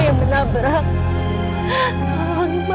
yang menabrak tapi ma